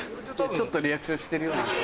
ちょっとリアクションしてるような。